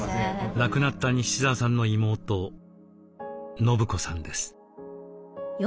亡くなった西澤さんの妹伸子さんです。